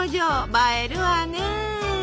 映えるわね！